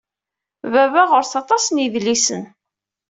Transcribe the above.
Baba ɣur-s aṭas n yedlisen.